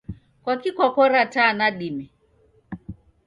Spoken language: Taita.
Kwaki kwakora taa nadime?